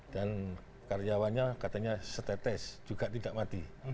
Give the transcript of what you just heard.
dan karyawannya katanya setetes juga tidak mati